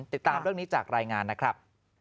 ติดตามเรื่องนี้จากรายงานนะครับ